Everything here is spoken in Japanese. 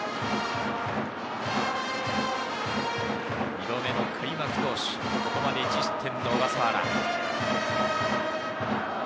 ２度目の開幕投手、ここまで１失点の小笠原。